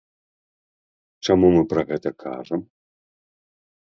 Чаму мы пра гэта кажам?